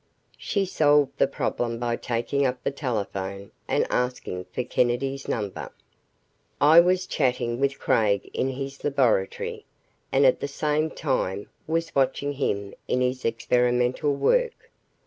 She solved the problem by taking up the telephone and asking for Kennedy's number. I was chatting with Craig in his laboratory, and, at the same time, was watching him in his experimental work.